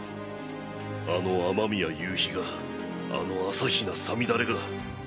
あの雨宮夕日があの朝日奈さみだれが。